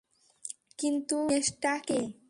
কিন্তু দিনেশটা কে?